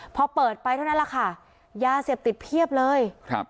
พอเปิดไปเท่านั้นแหละค่ะยาเสพติดเพียบเลยครับ